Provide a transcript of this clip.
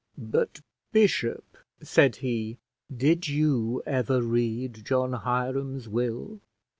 "But, bishop," said he, "did you ever read John Hiram's will?"